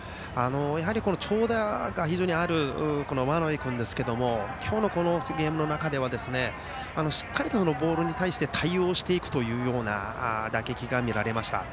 やはり長打が非常にある真鍋君ですが今日のこのゲームの中ではしっかりとボールに対して対応していくというような打撃が見られました。